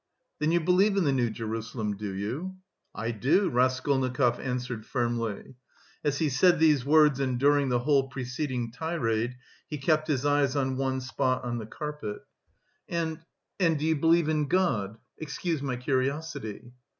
"Then you believe in the New Jerusalem, do you?" "I do," Raskolnikov answered firmly; as he said these words and during the whole preceding tirade he kept his eyes on one spot on the carpet. "And... and do you believe in God? Excuse my curiosity."